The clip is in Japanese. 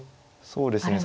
そうですね